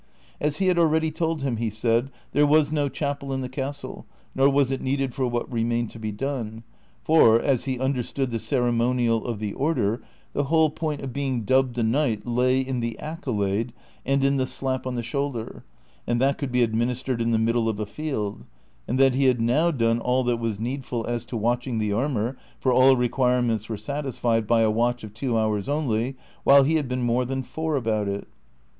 As he had already told him, he said, there was no chapel in the castle, nor was it needed for what remained to be done, for, as he understood the ceremonial of the order, the whole point of being dubbed a knight lay in the accolade and in the slap on the shoulder, and that could be administered in the middle of a field ; and that he had now done all that was needful as to watching the armor, for all requireinents were satisfied by a watch of two hours only, while he had been more than four about it.